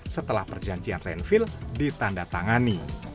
setelah perjanjian landfill ditanda tangani